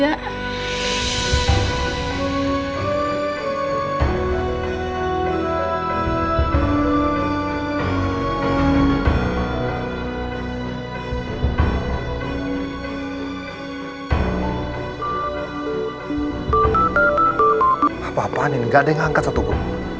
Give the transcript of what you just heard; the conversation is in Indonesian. apa apaan ini gak ada yang angkat satu bu